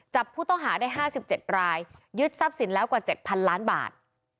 จับผู้ต้องหาได้๕๗รายยึดทรัพย์สินแล้วกว่า๗๐๐ล้านบาท